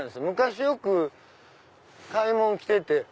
昔よく買い物来てて。